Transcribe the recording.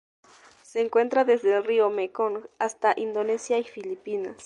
Se encuentra desde el río Mekong hasta Indonesia y Filipinas.